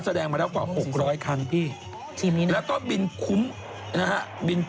ไหนบอกว่าจะไม่ฟังไง